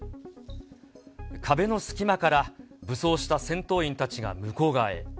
壁の隙間から武装した戦闘員たちが向こう側へ。